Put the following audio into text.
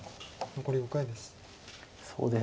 残り５回です。